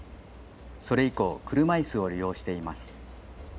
それ以降、車いすを利用しています。